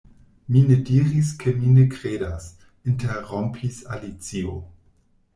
"Mi ne diris ke mi ne kredas," interrompis Alicio.